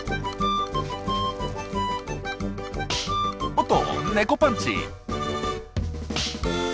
おっと猫パンチ！